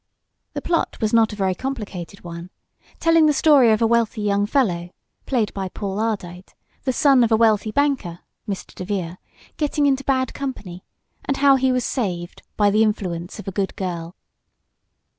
The plot was not a very complicated one, telling the story of a wealthy young fellow (played by Paul Ardite) the son of a wealthy banker, (Mr. DeVere) getting into bad company, and how he was saved by the influence of a good girl.